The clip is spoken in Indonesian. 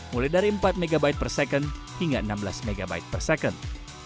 mulai dari empat mb per second hingga enam belas mb per second